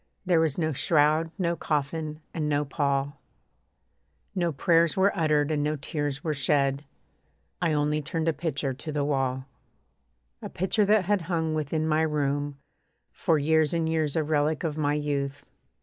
There was no shroud, no coffin, and no pall, No prayers were uttered and no tears were shed I only turned a picture to the wall. A picture that had hung within my room For years and years; a relic of my youth.